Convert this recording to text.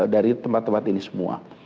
dari tempat tempat ini semua